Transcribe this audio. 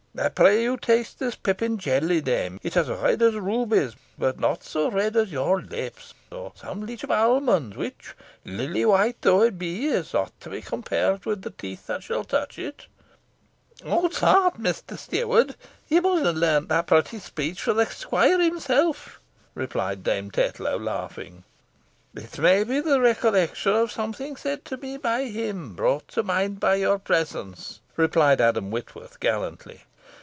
I pray you taste this pippin jelly, dame. It is as red as rubies, but not so red as your lips, or some leach of almonds, which, lily white though it be, is not to be compared with the teeth that shall touch it." "Odd's heart! mester steward, yo mun ha' larnt that protty speech fro' th' squoire himself," replied Dame Tetlow, laughing. "It may be the recollection of something said to me by him, brought to mind by your presence," replied Adam Whitworth, gallantly.